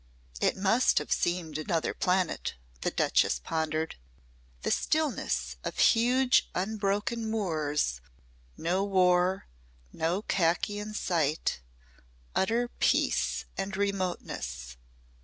"It must have seemed another planet," the Duchess pondered. "The stillness of huge unbroken moors no war no khaki in sight utter peace and remoteness.